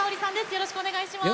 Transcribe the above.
よろしくお願いします。